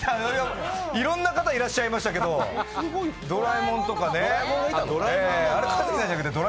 いろんな方いらっしゃいましたけど、ドラえもんとか。